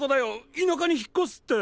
田舎に引っ越すって。